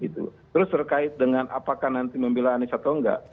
terus terkait dengan apakah nanti membelanis atau enggak